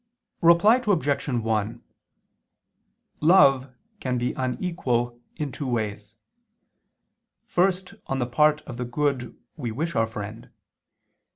Reply Obj. 1: Love can be unequal in two ways: first on the part of the good we wish our friend.